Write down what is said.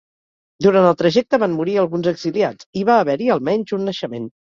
Durant el trajecte van morir alguns exiliats i va haver-hi, almenys, un naixement.